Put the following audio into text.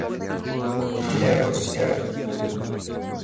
Le Rozier